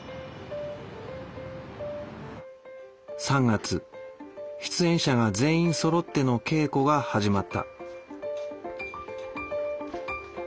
３月出演者が全員そろっての稽古が始まった。